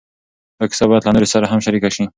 دا کیسه باید له نورو سره هم شریکه شي.